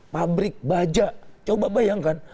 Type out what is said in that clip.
pabrik baja coba bayangkan